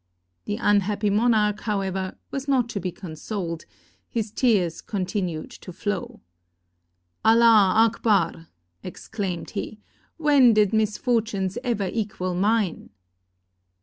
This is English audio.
The unhappy monarch, however, was not to be con soled; his tears continued to flow. "Allah Achbar!" exclaimed he; "when did misfortunes ever equal mine?"